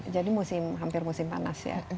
jadi hampir musim panas ya